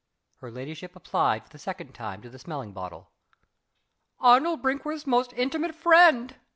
Her ladyship applied for the second time to the smelling bottle. "Arnold Brinkworth's most intimate friend!"